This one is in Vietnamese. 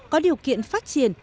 có điều kiện phát triển